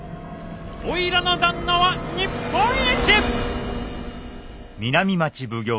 おいらの旦那は日本一！